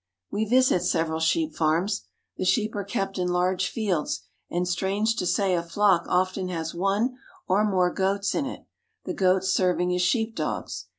We visit several sheep farms. The sheep are kept in large fields, and strange to say a flock often has one or more goats in it, the goats serving as sheep dogs.